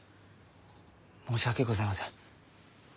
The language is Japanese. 申し訳ございません。